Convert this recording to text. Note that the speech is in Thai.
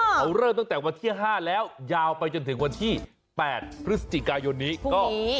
เขาเริ่มตั้งแต่วันที่๕แล้วยาวไปจนถึงวันที่๘พฤศจิกายนนี้ก็